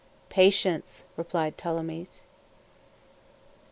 "Patience," replied Tholomyès.